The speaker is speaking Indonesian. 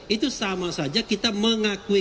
itu sama saja kita mengakui